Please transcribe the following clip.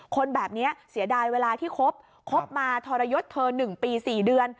คนแบบนี้เสียดายเวลาที่คบมาทรยศเธอ๑ปี๔เดือน